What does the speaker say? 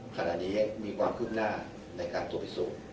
ขณะนี้มีความคืบหน้าในการตรวจพิสูจน์